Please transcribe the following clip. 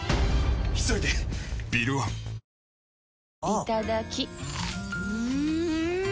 いただきっ！